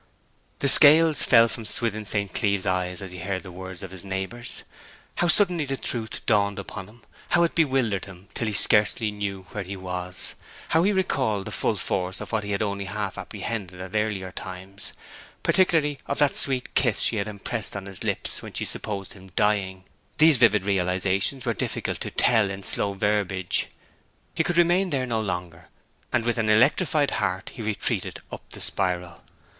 The scales fell from Swithin St. Cleeve's eyes as he heard the words of his neighbours. How suddenly the truth dawned upon him; how it bewildered him, till he scarcely knew where he was; how he recalled the full force of what he had only half apprehended at earlier times, particularly of that sweet kiss she had impressed on his lips when she supposed him dying, these vivid realizations are difficult to tell in slow verbiage. He could remain there no longer, and with an electrified heart he retreated up the spiral.